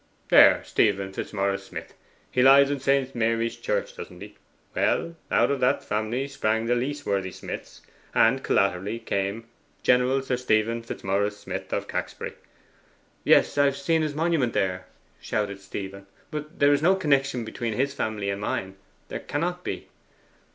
There, Stephen Fitzmaurice Smith he lies in St. Mary's Church, doesn't he? Well, out of that family Sprang the Leaseworthy Smiths, and collaterally came General Sir Stephen Fitzmaurice Smith of Caxbury ' 'Yes; I have seen his monument there,' shouted Stephen. 'But there is no connection between his family and mine: there cannot be.